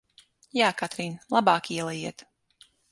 Jā, Katrīn, labāk ielejiet!